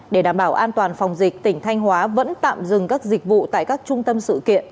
để đảm bảo an toàn phòng dịch tỉnh thanh hóa vẫn tạm dừng các dịch vụ tại các trung tâm sự kiện